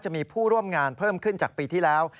จะมีผู้ร่วมงานเพิ่มขึ้นจากปีที่แล้ว